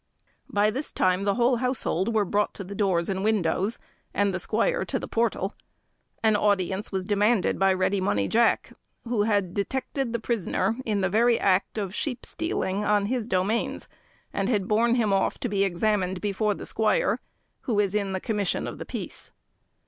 By this time the whole household were brought to the doors and windows, and the squire to the portal. An audience was demanded by Ready Money Jack, who had detected the prisoner in the very act of sheep stealing on his domains, and had borne him off to be examined before the squire, who is in the commission of the peace.